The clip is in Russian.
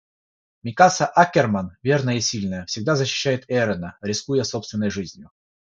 Микаса Аккерман, верная и сильная, всегда защищает Эрена, рискуя собственной жизнью.